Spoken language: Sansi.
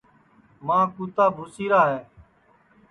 ماں کُوتا بھُوسِیرا ہے